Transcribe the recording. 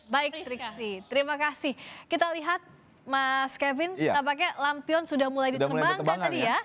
baik terima kasih kita lihat mas kevin nampaknya lampion sudah mulai diterbangkan tadi ya